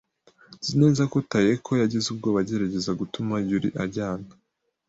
Nzi neza ko Taeko yagize ubwoba agerageza gutuma Yuri ajyana.